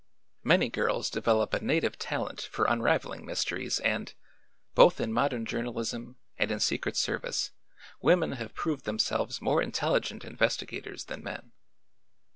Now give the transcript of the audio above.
Many girls develop a native talent for unraveling mysteries and, both in modern journalism and in secret service, women have proved themselves more intelligent investigators than men.